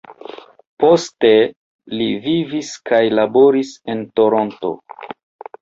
Poste li vivis kaj laboris en Toronto.